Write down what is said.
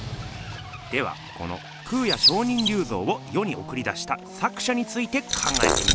ではこの空也上人立像をよにおくり出した作者について考えてみましょう。